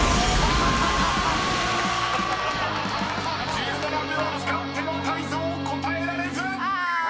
［１７秒使っても泰造答えられず！］